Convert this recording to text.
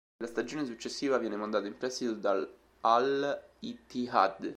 Nella stagione successiva viene mandato in prestito all'Al-Ittihad.